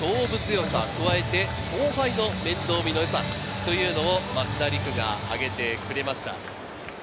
「打撃の勝負強さ」、加えて「後輩の面倒見の良さ」というのも増田陸が挙げてくれました。